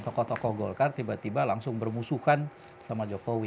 tokoh tokoh golkar tiba tiba langsung bermusukan sama jokowi